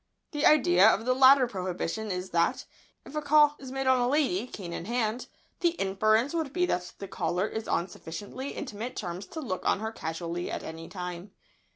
The idea of the latter prohibition is that, if a call is made on a lady cane in hand, the inference would be that the caller is on sufficiently intimate terms to look in on her casually at any time.